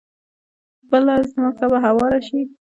بله ځمکه به هواره شي.